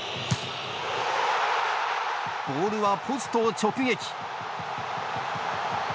ボールはポストを直撃。